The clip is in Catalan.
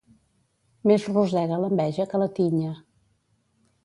Més rosega l'enveja que la tinya.